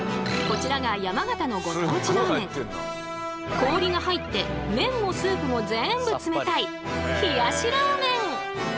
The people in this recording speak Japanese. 氷が入って麺もスープも全部冷たい「冷やしラーメン」。